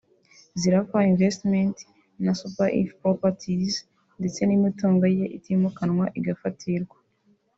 Zulaf Investments na Super Earth Properties ndetse n’imitungo ye itimukanwa igafatirwa